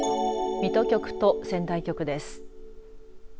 水戸局と仙台局です。